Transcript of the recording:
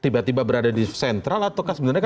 tiba tiba berada di sentral atau sebenarnya